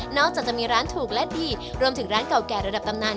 จากจะมีร้านถูกและดีรวมถึงร้านเก่าแก่ระดับตำนาน